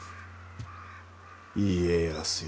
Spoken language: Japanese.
家康よ。